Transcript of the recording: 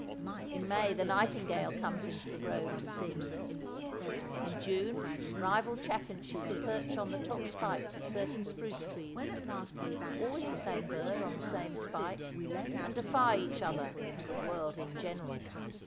In May the nightingale comes into the grove to sing; in June rival chaffinches perch on the top spikes of certain spruce trees—always the same bird on the same spike—and defy each other and the world in general.